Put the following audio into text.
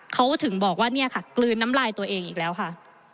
เขาถึงบอกว่าเนี่ยค่ะกลืนน้ำลายตัวเองอีกแล้วค่ะ